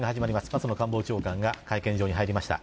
松野官房長官が会見場に入りました。